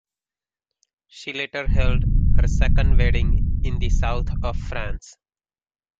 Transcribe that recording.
She later held her second wedding in the South of France.